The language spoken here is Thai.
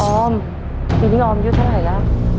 อมทีนี้ออมอายุเท่าไหร่แล้ว